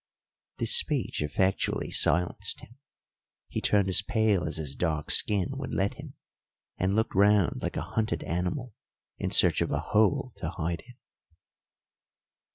This speech effectually silenced him. He turned as pale as his dark skin would let him, and looked round like a hunted animal in search of a hole to hide in.